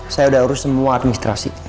saya sudah urus semua administrasi